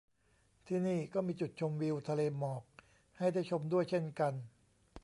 ที่นี่ก็มีจุดชมวิวทะเลหมอกให้ได้ชมด้วยเช่นกัน